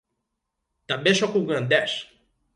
També sóc ugandès.